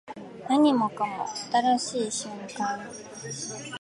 何もかも新しい瞬間